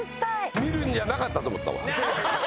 見るんじゃなかったと思ったわ。